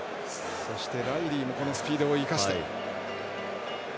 そしてライリーもスピードを生かして。